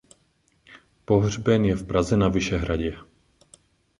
Pohřben je v Praze na Vyšehradě.